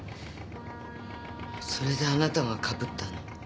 それであなたが被ったの？